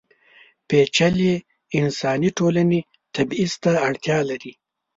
پېچلې انساني ټولنې تبعیض ته اړتیا لري.